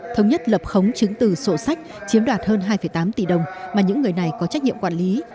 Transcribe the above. thống nhất lập khống chứng từ sổ sách chiếm đoạt hơn hai tám tỷ đồng mà những người này có trách nhiệm quản lý